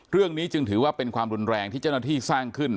เรื่องนี้จึงถือว่าเป็นความรุนแรงที่เจ้าหน้าที่สร้างขึ้น